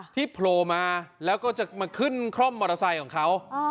โผล่มาแล้วก็จะมาขึ้นคล่อมมอเตอร์ไซค์ของเขา